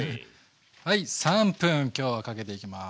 ３分今日はかけていきます。